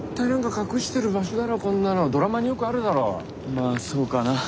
まぁそうかな。